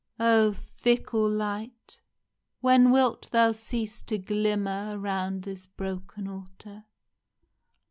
Oh, fickle Light ! when wilt thou cease to glimmer Around this broken altar